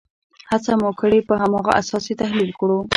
هڅه مو کړې په هماغه اساس یې تحلیل کړو.